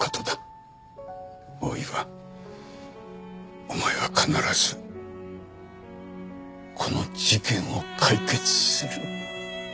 大岩お前は必ずこの事件を解決する。